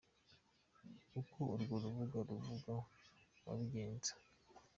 Uko urwo rubuga ruvuga wabigenza :.